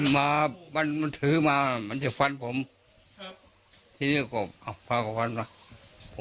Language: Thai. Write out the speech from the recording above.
มามันมันถือมามันจะฟันผมครับทีนี้ก็เอาพากับฟันมา